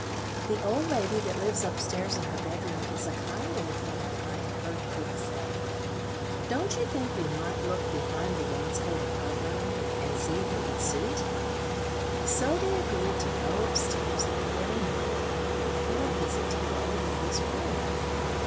The old lady that lives up stairs in her bedroom is a kind old woman, I have heard cook say. Don't you think we might look behind the wainscot of her room, and see if it would suit?" So they agreed to go up stairs that very night and pay a visit to the old lady's room.